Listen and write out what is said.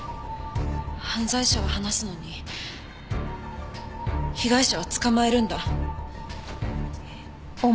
犯罪者は放すのに被害者はつかまえるんだ。